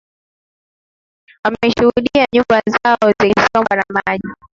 wameshuhudia nyumba zao zikisombwa na maji